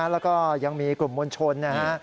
แล้วก็ยังมีกลุ่มมลชน